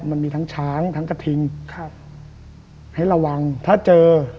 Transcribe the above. มันมีทั้งช้างทั้งกระทิงครับให้ระวังถ้าเจอ